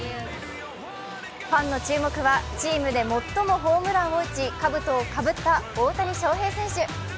ファンの注目はチームで最もホームランを打ちかぶとをかぶった大谷翔平選手。